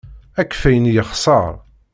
Akeffay-nni yexṣer.